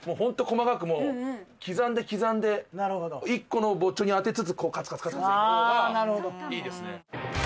細かくもう刻んで刻んで１個のぼっちょに当てつつカツカツカツカツいく方がいいですね。